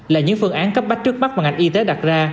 là những phương án cấp bách trước mắt mà ngành y tế đặt ra